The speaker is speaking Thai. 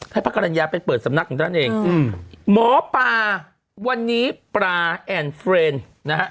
ให้พระกรรณญาไปเปิดสำนักของต้านเองหมอปลาวันนี้ปลาแอนด์ฟเรนนะครับ